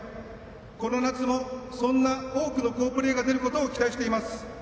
この夏もそんな多くの好プレーが出ることを期待しています。